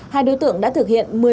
hai đối tượng đã thực hiện